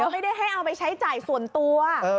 ไม่ได้ให้เอาไปใช้จ่ายส่วนตัว